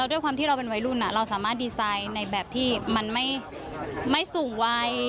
ด้วยความที่เราเป็นวัยรุ่นเราสามารถดีไซน์ในแบบที่มันไม่สูงวัย